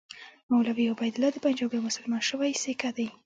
مولوي عبیدالله د پنجاب یو مسلمان شوی سیکه دی.